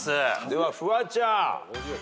ではフワちゃん。